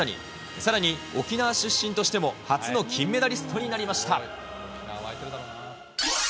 さらに、沖縄出身としても初の金メダリストになりました。